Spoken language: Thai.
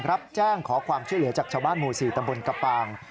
รับแจ้งขอความช่วยเหลือจากชาวบ้านหมู่๔ตำบลกระปาง